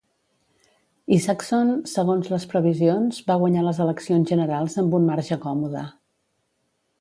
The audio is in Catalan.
Isakson, segons les previsions, va guanyar les eleccions generals amb un marge còmode.